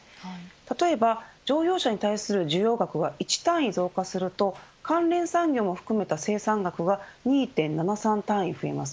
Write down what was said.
例えば乗用車に対する需要額が１単位増加すると関連産業も含めた生産額が２．７３単位増えます。